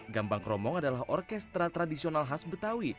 gambang kromong adalah orkestra tradisional khas betawi